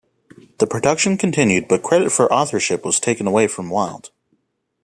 The production continued but credit for authorship was taken away from Wilde.